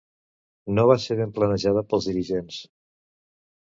No va ser ben planejada pels dirigents.